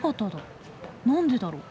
何でだろう？